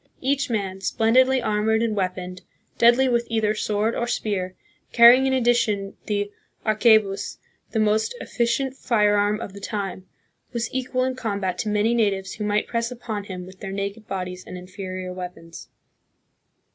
Each man, splendidly armored and weaponed, deadly with either sword or spear, carrying in addition the arquebus, the most efficient firearm of the time, was equal in combat to many natives who might press upon him with their naked bodies and inferior weapons.